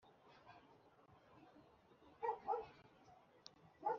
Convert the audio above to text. Ni umugabo ushaje ugitaha ku babyeyi be